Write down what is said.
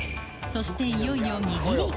そしていよいよ握り。